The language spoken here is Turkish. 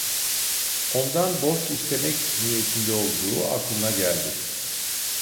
Ondan borç istemek niyetinde olduğu aklına geldi.